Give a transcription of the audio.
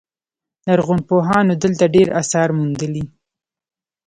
لرغونپوهانو دلته ډیر اثار موندلي